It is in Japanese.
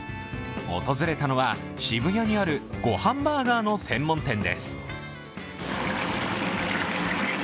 訪れたのは渋谷にあるごはんバーガーの専門店です。